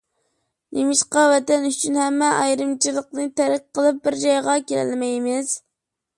نېمىشقا ۋەتەن ئۈچۈن ھەممە ئايرىمىچىلىقنى تەرك قىلىپ بىر جايغا كېلەلمەيمىز؟!